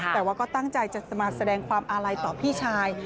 แต่ว่าก็ตั้งใจจะมาแสดงความอาลัยต่อพี่ชาย